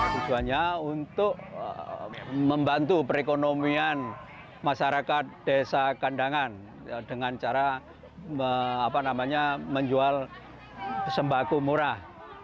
tujuannya untuk membantu perekonomian masyarakat desa kandangan dengan cara menjual sembako murah